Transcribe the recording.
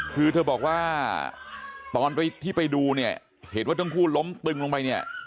คือเธอบอกว่าตอนที่ไปดูเนี่ยเห็นว่าทั้งคู่ล้มตึงลงไปเนี่ย